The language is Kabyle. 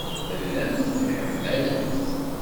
Tellamt temḥemmalemt.